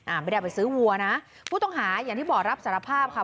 ไม่ได้เอาไปซื้อวัวนะผู้ต้องหาอย่างที่บอกรับสารภาพค่ะ